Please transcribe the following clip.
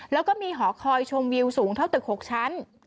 แล้วก็มีหอคอยชมวิวสูงเท่าตึก๖ชั้น